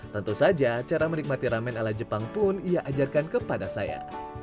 tentu saja cara menikmati ramen ala jepang pun ia ajarkan kepada saya